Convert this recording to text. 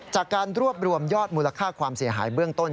จากการรวบรวมยอดมูลค่าความเสียหายเบื้องต้น